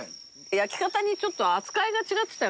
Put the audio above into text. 焼き方にちょっと扱いが違ってたよね。